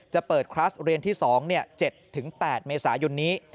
จะเปิดคลัสเรียนที่๒๗๘เมษายนนี้